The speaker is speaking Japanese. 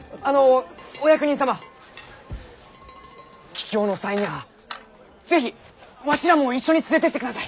帰京の際にゃあ是非わしらも一緒に連れてってください！